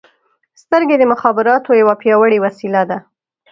• سترګې د مخابراتو یوه پیاوړې وسیله ده.